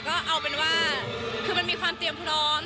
ก็เอาเป็นว่าคือมันมีความเตรียมพร้อม